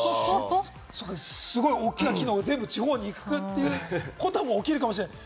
大きな機能が地方に行くってことも起きるかもしれない。